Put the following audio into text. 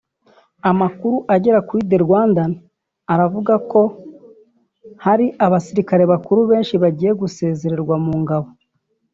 Amakuru agera kuri The Rwandan aravuga ko hari abasirikare bakuru benshi bagiye gusezererwa mu ngabo